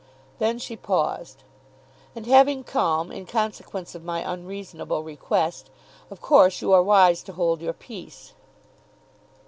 Then she paused. "And having come, in consequence of my unreasonable request, of course you are wise to hold your peace."